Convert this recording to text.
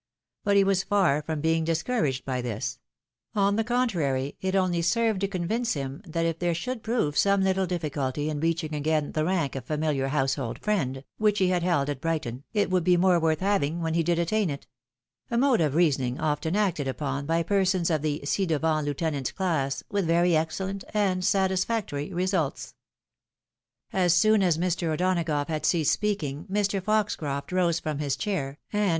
But he was far from being discouraged by this ; on the contrary it only sei vedto convince him that if there should prove some little difficulty in reaching again the rank of famihar household friend, which he had held at Brighton, it would be more worth having when he did attain it, — a mode of reasoning often acted upon by persons of the ci devant Heutenant's class, with very excellent and satisfactory results. As soon as Mr. O'Donagough had ceased speaking, Mr. Foxcroft rose from his chair, and.